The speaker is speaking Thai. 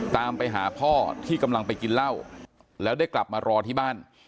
ตามไปหาพ่อที่กำลังไปกินเหล้าแล้วได้กลับมารอที่บ้าน